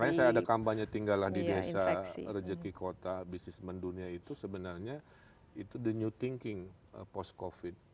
makanya saya ada kampanye tinggalah di desa rejeki kota bisnis mendunia itu sebenarnya itu the new thinking post covid